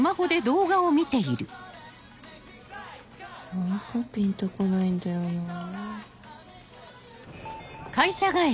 何かピンとこないんだよなぁ。